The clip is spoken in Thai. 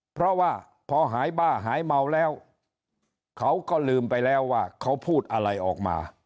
เพราะว่าพอหายบ้าหายเมาแล้วเขาก็ลืมไปแล้วว่าเขาพูดอะไรออกมา